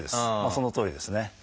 そのとおりですね。